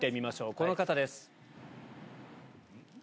この方です。